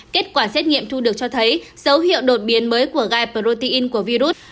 kết quả xét nghiệm thu được cho thấy dấu hiệu đột biến mới của gai protein của virus